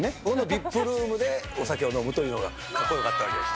ＶＩＰルームでお酒を飲むというのがかっこよかったわけです。